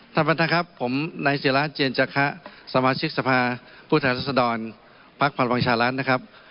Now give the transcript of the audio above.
ท่านประธานครับผมนายเจราะเจียนจักระสมาชิกสภาผู้ทัศนสดรพรรคพรวงชาลันทร์นะครับ